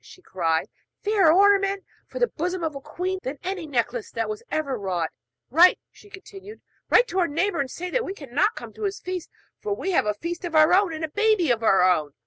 she cried, 'fairer ornament for the bosom of a queen than any necklace that ever was wrought. Write,' she continued, 'write to our neighbour and say that we cannot come to his feast, for we have a feast of our own, and a baby of our own!